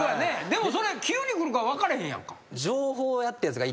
でもそれ急に来るか分からへんやんか。